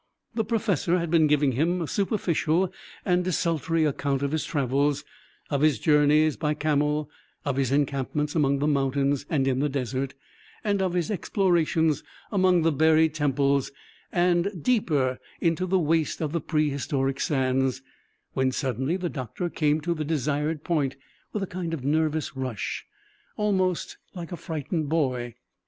The professor had been giving him a superficial and desultory account of his travels, of his journeys by camel, of his encampments among the mountains and in the desert, and of his explorations among the buried temples, and, deeper, into the waste of the pre historic sands, when suddenly the doctor came to the desired point with a kind of nervous rush, almost like a frightened boy.